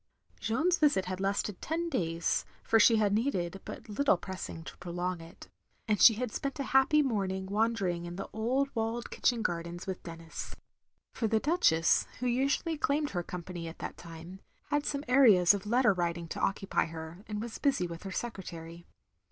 Jeanne's visit had lasted ten days, (for she had needed but little pressing to prolong it), and she had spent a happy morning wandering in the old walled kitchen gardens, with Denis; 296 THE LONELY LADY for the Duchess, who usually claimed her company at that time, had some arrears of letter writing to occupy her, and was busy with her secretary.